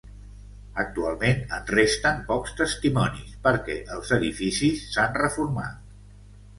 Actualment en resten pocs testimonis perquè els edificis s'han reformat.